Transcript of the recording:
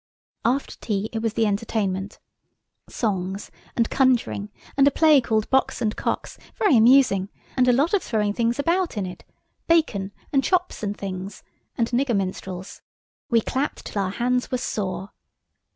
After tea it was the entertainment. Songs and conjuring and a play called "Box and Cox," very amusing, and a lot of throwing things about in it–bacon and chops and things–and nigger minstrels. We clapped till our hands were sore.